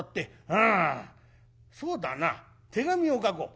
そうだな手紙を書こう。